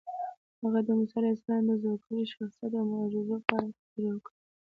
هغه د موسی علیه السلام د زوکړې، شخصیت او معجزو په اړه خبرې وکړې.